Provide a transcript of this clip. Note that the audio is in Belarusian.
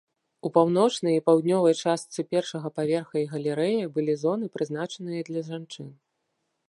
У паўночнай і паўднёвай частцы першага паверха і галерэі была зоны, прызначаныя для жанчын.